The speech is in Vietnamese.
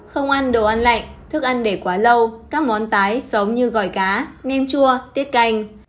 không ăn đồ ăn lạnh thức ăn để quá lâu các món tái sống như gỏi cá nem chua tiết canh